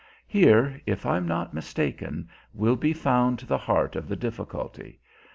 Here, if I'm not mistaken, will be found the heart of the difficulty.